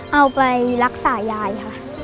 เอาไปรักษายายค่ะ